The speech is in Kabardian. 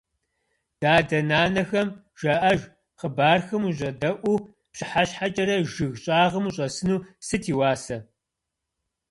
Дадэ-нанэхэм жаӀэж хъыбархэм ущӀэдэӀуу пщыхьэщхьэкӀэрэ жыг щӀагъым ущӀэсыну сыт и уасэ?!